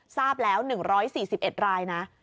ทราบแล้ว๑๔๑รายนะ